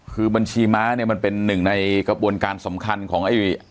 คือบัญชีม้าเนี่ยมันเป็นหนึ่งในกระบวนการสำคัญของไอ้